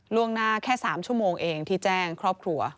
ล่วงหน้าแค่๓ชั่วโมงเองที่แจ้งครอบครัว